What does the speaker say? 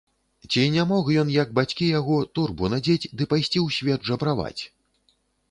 Ці не мог ён, як бацькі яго, торбу надзець ды пайсці ў свет жабраваць?